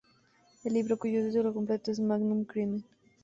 El libro, cuyo título completo es "Magnum crimen.